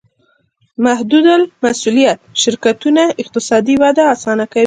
محدودالمسوولیت شرکتونه اقتصادي وده اسانه کوي.